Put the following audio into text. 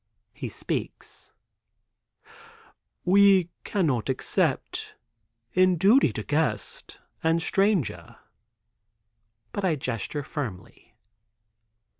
He speaks: "We cannot accept, in duty to guest and stranger." But I gesture firmly.